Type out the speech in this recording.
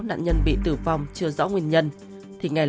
nạn nhân bị tử vong chưa rõ nguyên nhân